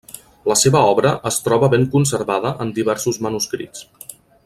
La seva obra es troba ben conservada en diversos manuscrits.